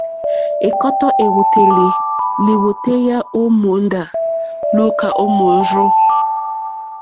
Ɛ̀kɔ́tɔ́ èwòtélì lìwòtéyá ó mòóndá lùúkà ó mòrzô.